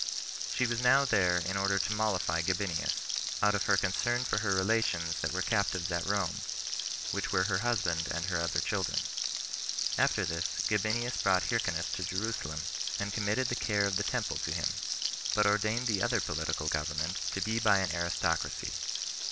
She was now there in order to mollify Gabinius, out of her concern for her relations that were captives at Rome, which were her husband and her other children. After this Gabinius brought Hyrcanus to Jerusalem, and committed the care of the temple to him; but ordained the other political government to be by an aristocracy.